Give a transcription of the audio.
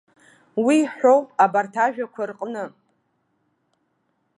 Уи ҳәоуп абарҭ ажәақәа рҟны.